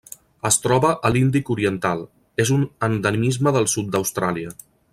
Es troba a l'Índic oriental: és un endemisme del sud d'Austràlia.